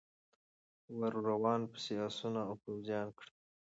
ور روان پسي آسونه او پوځیان کړی